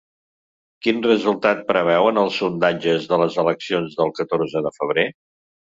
Quin resultat preveuen els sondatges de les eleccions del catorze de febrer?